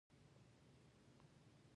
دا ځل مې يوه شپه وکړه.